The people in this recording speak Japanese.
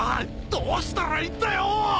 どうしたらいいんだよ！